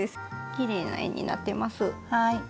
きれいな円になってます。